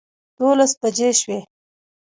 دولس بجې شوې.